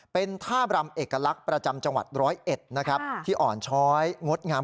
เป็นท่ารำเอกลักษณ์ประจำจังหวัด๑๐๑นะครับที่อ่อนช้อยงดงาม